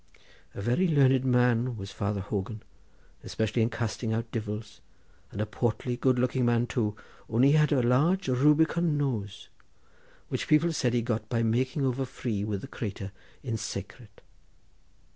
A very learned man was Father Hogan, especially in casting out divils, and a portly good looking man too, only he had a large rubicon nose, which people said he got by making over free with the cratur in sacret.